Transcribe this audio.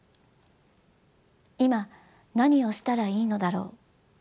今何をしたらいいのだろう？